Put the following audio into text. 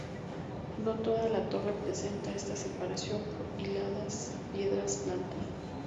No toda la torre presenta esta separación por hiladas de piedras planas.